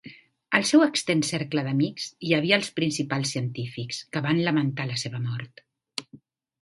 Al seu extens cercle d'amics hi havia els principals científics, que van lamentar la seva mort.